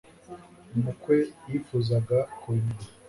umukwe yifuzaga kubimenya